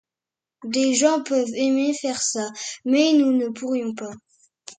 Des gens peuvent aimer faire ça, mais nous ne pourrions pas.